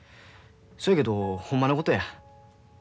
そやけどほんまのことや。